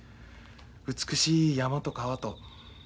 美しい山と川と。